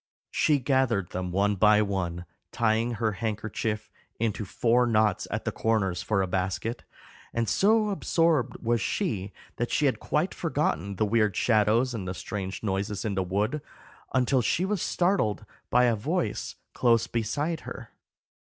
She gathered them one by one, tying her handkerchief into four knots at the corners for a basket; and so absorbed was she that she had quite forgotten the weird shadows and the strange noises in the wood, until she was startled by a voice close beside her.